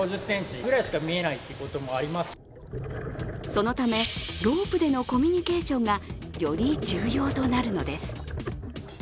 そのため、ロープでのコミュニケーションがより重要となるのです。